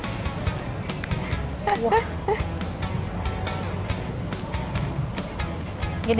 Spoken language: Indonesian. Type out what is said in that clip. kita patuhkan bentuknya